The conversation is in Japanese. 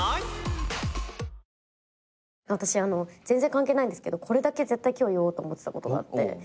関係ないけどこれだけ絶対今日言おうと思ってたことがあって。